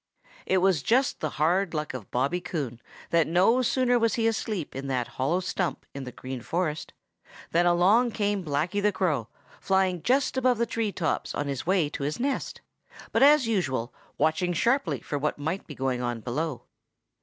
It was just the hard luck of Bobby Coon that no sooner was he asleep in that hollow stump in the Green Forest than along came Blacky the Crow, flying above the tree tops on his way to his nest, but as usual watching sharply for what might be going on below.